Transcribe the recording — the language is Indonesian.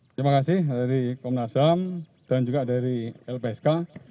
terima kasih dari komnas ham dan juga dari lpsk